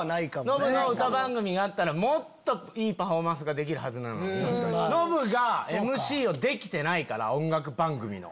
ノブの歌番組があったらもっといいパフォーマンスができるのにノブがＭＣをできてないから音楽番組の。